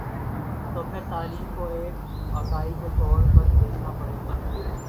تو پھر تعلیم کو ایک اکائی کے طور پر دیکھنا پڑے گا۔